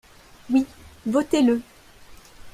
Oui, votez-le